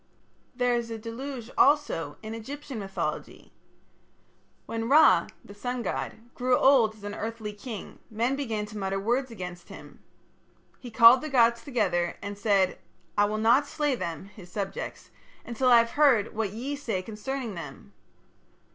There is a deluge also in Egyptian mythology. When Ra, the sun god, grew old as an earthly king, men began to mutter words against him. He called the gods together and said: "I will not slay them (his subjects) until I have heard what ye say concerning them."